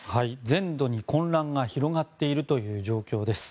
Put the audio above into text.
全土に混乱が広がっているという状況です。